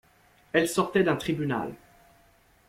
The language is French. Elle sortait d'un tribunal.